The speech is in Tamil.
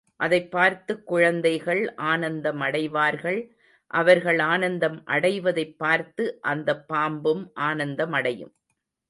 அதைப் பார்த்துக் குழந்தைகள் ஆனந்தம் அடைவார்கள் அவர்கள் ஆனந்தம் அடைவதைப் பார்த்து அந்தப் பாம்பும் ஆனந்தமடையும்.